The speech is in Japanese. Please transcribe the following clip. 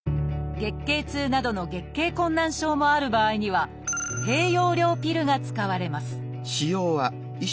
月経痛などの月経困難症もある場合には低用量ピルが使われます